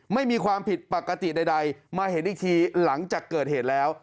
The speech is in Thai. ไม่มีความผิดปกติใดมาเห็นอีกทีหลังจากเกิดเหตุแล้ว